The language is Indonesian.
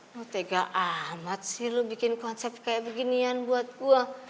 lo tega amat sih lu bikin konsep kayak beginian buat gue